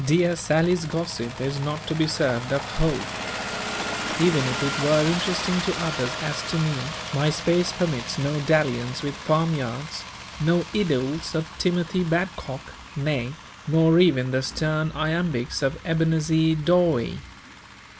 Dear Sally's gossip is not to be served up whole. Even if it were interesting to others as to me, my space permits no dalliance with farm yards, no idyls of Timothy Badcock, nay, nor even the stern iambics of Ebenezer Dawe.